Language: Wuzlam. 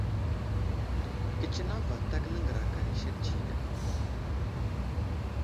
Kətsineŋ vatak nəŋgəraka i sek tsiyo ya ?